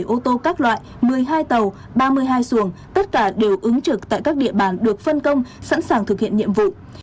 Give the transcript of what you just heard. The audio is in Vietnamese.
một mươi ô tô các loại một mươi hai tàu ba mươi hai xuồng tất cả đều ứng trực tại các địa bàn được phân công sẵn sàng thực hiện nhiệm vụ